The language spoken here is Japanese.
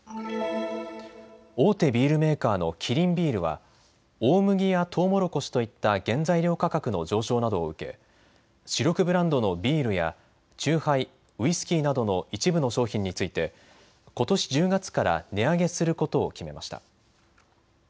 大手ビールメーカーのキリンビールは大麦やとうもろこしといった原材料価格の上昇などを受け主力ブランドのビールやチューハイ、ウイスキーなどの一部の商品についてことし１０月から値上げすることを決めました。